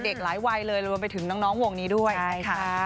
เด็กหลายวัยเลยรวมไปถึงน้องวงนี้ด้วย